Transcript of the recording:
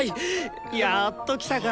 やっと来たか！